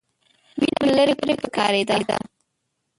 وینه له ليرې پکې ښکارېده.